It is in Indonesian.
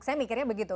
saya mikirnya begitu